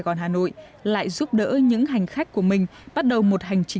gia đồng hới